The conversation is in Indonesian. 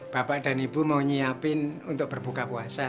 bapak dan ibu mau nyiapin untuk berbuka puasa